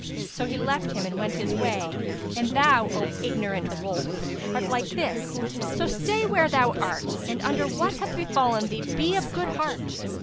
So he left him and went his way. And thou, O ignorant wolf, art like this; so stay where thou art and under what hath befallen thee be of good heart!"